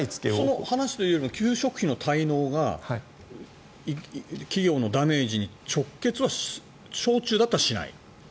その話というよりも給食費の滞納が企業のダメージに直結は小中だったらしない？